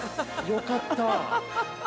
よかったわ。